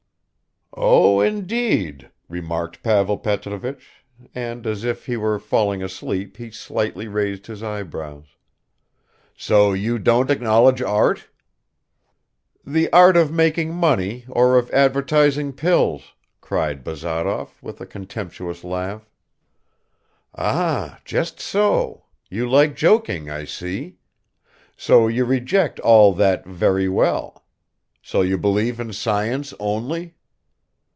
"Oh, indeed!" remarked Pavel Petrovich, and as if he were falling asleep he slightly raised his eyebrows. "So you don't acknowledge art?" "The art of making money or of advertising pills!" cried Bazarov, with a contemptuous laugh. "Ah, just so; you like joking, I see. So you reject all that Very well. So you believe in science only?"